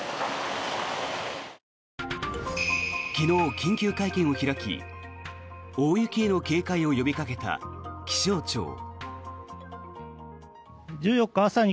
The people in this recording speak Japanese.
昨日、緊急会見を開き大雪への警戒を呼びかけた気象庁。